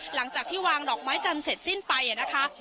หลังจากที่วางดอกไม้จันทร์เสร็จสิ้นไปนะคะ